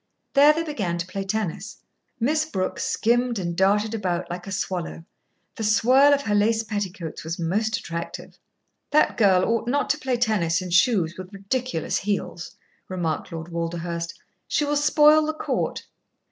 There they began to play tennis. Miss Brooke skimmed and darted about like a swallow. The swirl of her lace petticoats was most attractive. "That girl ought not to play tennis in shoes with ridiculous heels," remarked Lord Walderhurst. "She will spoil the court."